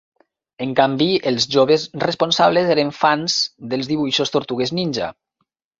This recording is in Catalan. En canvi, els joves responsables eren fans dels dibuixos 'Tortugues Ninja'.